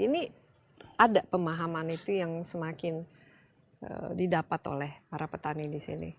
ini ada pemahaman itu yang semakin didapat oleh para petani di sini